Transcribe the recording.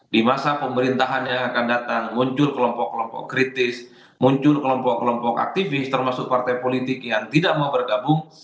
di masa pemerintahan yang akan datang muncul kelompok kelompok kritis muncul kelompok kelompok aktivis termasuk partai politik yang tidak mau bergabung